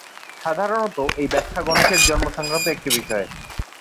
সাধারণত, এই ব্যাখ্যা গণেশের জন্ম-সংক্রান্ত একটি বিষয়।